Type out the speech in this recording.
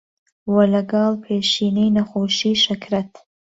وە لەگەڵ پێشینەی نەخۆشی شەکرەت